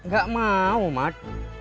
gak mau mat